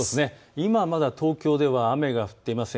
今はまだ東京では雨が降っていません。